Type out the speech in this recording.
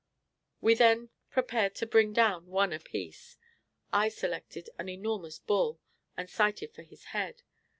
We then prepared to bring down one apiece. I selected an enormous bull, and sighted for his head.